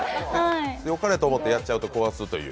よかれと思ってやっちゃうと壊すという。